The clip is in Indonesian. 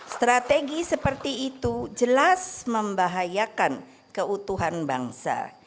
strategi seperti itu jelas membahayakan keutuhan bangsa